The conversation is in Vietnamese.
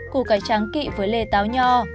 củ cải trắng kỵ với lê táo nho